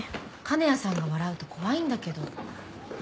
金谷さんが笑うと怖いんだけど。